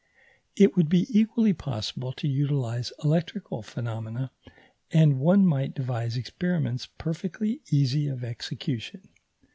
It would be equally possible to utilize electrical phenomena, and one might devise experiments perfectly easy of execution.